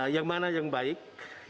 yang mana yang baik